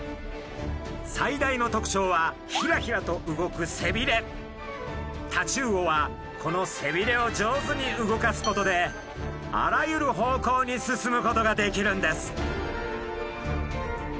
最大の特徴はヒラヒラと動くタチウオはこの背びれを上手に動かすことであらゆる方向に進むことができるんです。